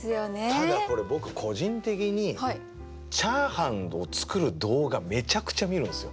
ただこれ僕個人的にチャーハンを作る動画めちゃくちゃ見るんすよ。